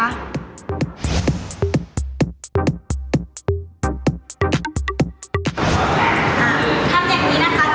ทำอย่างนี้นะคะ๑๕ครับ